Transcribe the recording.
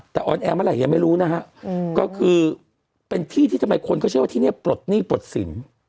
แต่ออนแอร์เมื่อไหร่ยังไม่รู้นะฮะก็คือเป็นที่ที่ทำไมคนก็เชื่อว่าที่นี่ปลดหนี้ปลดสิน